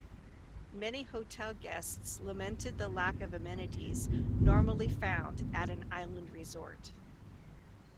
Many hotel guests lamented the lack of amenities normally found at an island resort.